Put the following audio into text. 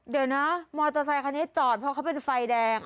เดี๋ยวนะมอเตอร์ไซคันนี้จอดเพราะเขาเป็นไฟแดง